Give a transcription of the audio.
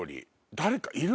誰かいる？